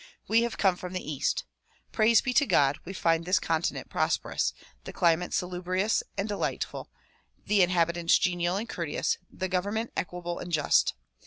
We have come from the east. Praise be to God ! we find this con tinent prosperous, the climate salubrious and delightful, the in habitants genial and courteous, the government equable and just.